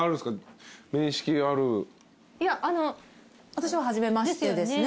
私は初めましてですね。